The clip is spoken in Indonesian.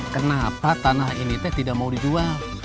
kenapa tanah ini teh tidak mau dijual